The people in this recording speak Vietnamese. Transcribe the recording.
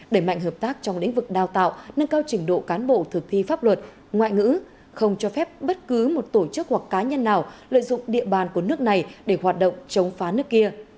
đẩy mạnh hợp tác trong lĩnh vực đào tạo nâng cao trình độ cán bộ thực thi pháp luật ngoại ngữ không cho phép bất cứ một tổ chức hoặc cá nhân nào lợi dụng địa bàn của nước này để hoạt động chống phá nước kia